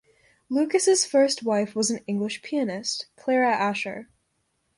Lucas' first wife was an English pianist, Clara Asher.